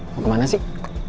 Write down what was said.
mau kemana sih